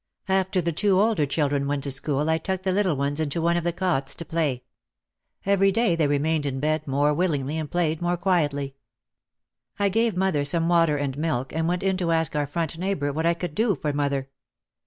After the two older children went to school I tucked the little ones into one of the cots to play. Every day they remained in bed more willingly and played more quietly. I gave mother some water and milk and went in to ask our front neighbour what I could do for mother.